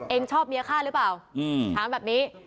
ชอบเมียฆ่าหรือเปล่าถามแบบนี้